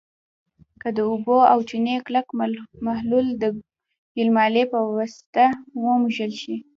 که د اوبو او چونې کلک محلول د ګلمالې په واسطه ومږل شي.